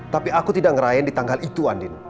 tapi aku tidak ngerain di tanggal itu andin